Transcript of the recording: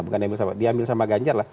bukan diambil sama ganjar